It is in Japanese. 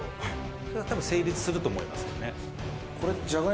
「それは多分成立すると思いますけどね」